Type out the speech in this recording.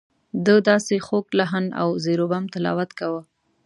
ده داسې خوږ لحن او زیر و بم تلاوت کاوه.